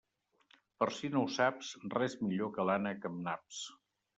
Per si no ho saps, res millor que l'ànec amb naps.